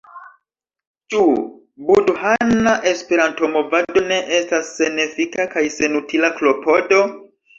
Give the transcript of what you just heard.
Ĉu budhana Esperanto-movado ne estas senefika kaj senutila klopodo?